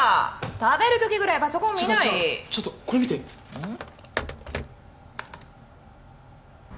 食べる時ぐらいパソコン見ない違う違うちょっとこれ見てうん？